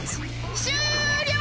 終了！